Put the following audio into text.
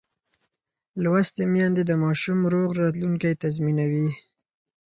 لوستې میندې د ماشوم روغ راتلونکی تضمینوي.